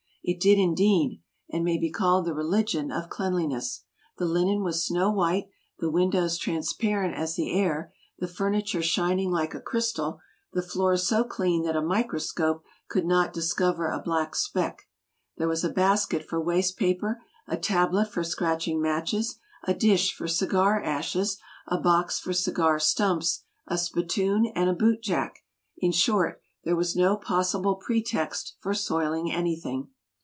It did, indeed, and may be called the religion of cleanliness. The linen was snow white, the windows transparent as the air, the furniture shining like a crystal, the floors so clean that a microscope could not discover a black speck. There was a basket for waste paper, a tablet for scratching matches, a dish for cigar ashes, a box for cigar stumps, a spittoon, and a boot jack; in short, there was no possible pretext for soiling anything.